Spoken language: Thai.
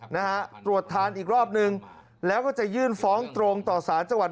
นะฮะตรวจทานอีกรอบนึงแล้วก็จะยื่นฟ้องตรงต่อสารจังหวัด